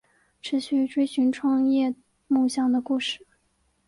持续追寻创业梦想的故事